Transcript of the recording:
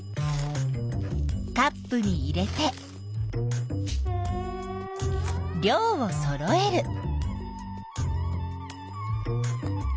カップに入れて量をそろえる。